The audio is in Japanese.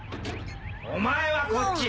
お前はこっち。